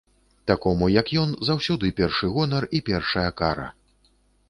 Такому, як ён, заўсёды першы гонар і першая кара.